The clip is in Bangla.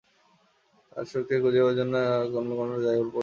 তাঁহার শক্তির ব্যাখ্যা খুঁজিবার জন্য আমাদের অন্য কাহারও কাছে যাইবার প্রয়োজন নাই।